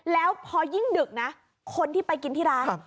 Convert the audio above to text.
แล้วพอยิ่งดึกนะคนที่ไปกินที่ร้าน